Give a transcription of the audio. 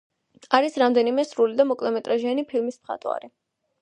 არის რამდენიმე სრული და მოკლემეტრაჟიანი ფილმის მხატვარი.